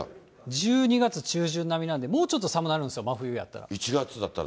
１２月中旬並みなんで、もうちょっとさむなるんですよ、真冬だったら。